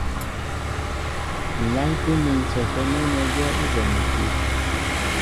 Lánkí mín sɔkɛ́ nɛ́nɛ́ gwɛ́ ú bonɛkí.